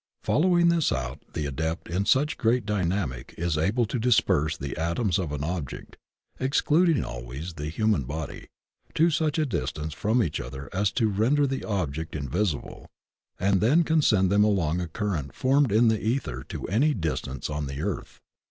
Following this out the Adept in such great dynam ics is able to disperse the atoms of an object — ex cluding always the human body — to such a distance from each other as to render the object invisible, and then can send them along a current formed in the ether to any distance on the earth.